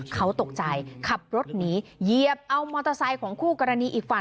เขาตกใจขับรถหนีเหยียบเอามอเตอร์ไซค์ของคู่กรณีอีกฝั่ง